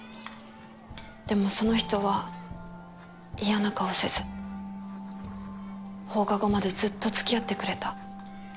でもその人は嫌な顔せず放課後までずっと付き合ってくれた。